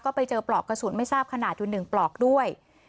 ไปเจอปลอกกระสุนไม่ทราบขนาดอยู่๑ปลอกด้วย